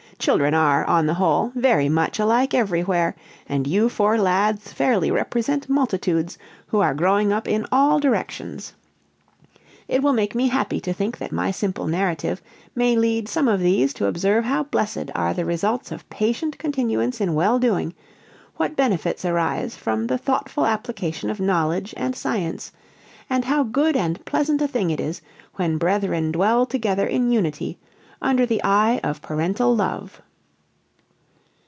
"Children are, on the whole, very much alike everywhere, and you four lads fairly represent multitudes, who are growing up in all directions. It will make me happy to think that my simple narrative may lead some of these to observe how blessed are the results of patient continuance in well doing, what benefits arise from the thoughtful application of knowledge and science, and how good and pleasant a thing it is when brethren dwell together in unity, under the eye of parental love."